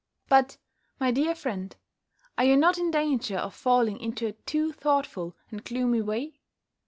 But, my dear friend, are you not in danger of falling into a too thoughtful and gloomy way?